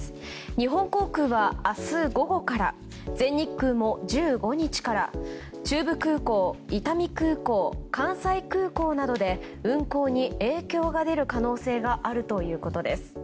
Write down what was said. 日本航空は明日午後から全日空も１５日から中部空港、伊丹空港関西空港などで運航に影響が出る可能性があるということです。